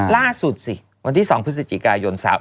ล่าสุดสิวันที่๒พฤศจิกายน